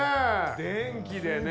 電気でね。